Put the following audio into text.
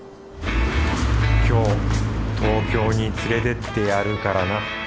今日東京に連れてってやるからな。